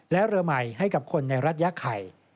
และเรือใหม่ให้กับคนในรัฐยาไข่